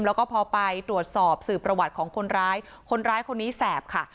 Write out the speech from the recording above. แล้วก็พอไปตรวจสอบสื่อประวัติของคนร้ายคนร้ายคนนี้แสบค่ะ